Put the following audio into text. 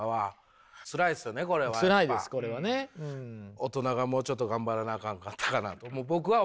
大人がもうちょっと頑張らなあかんかったかなと僕は思うんすね。